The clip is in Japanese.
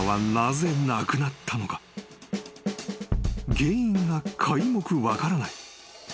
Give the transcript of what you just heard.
［原因が皆目分からない］